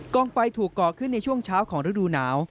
องไฟถูกก่อขึ้นในช่วงเช้าของฤดูหนาว